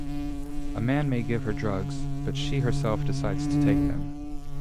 A man may give her drugs, but she herself decides to take them.